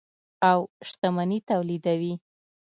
او شتمني تولیدوي.